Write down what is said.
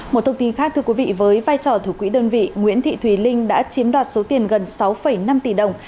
một thông tin khác thưa quý vị với vai trò thủ quỹ đơn vị nguyễn thị thùy linh đã chiếm đoạt số tiền gần sáu năm tỷ đồng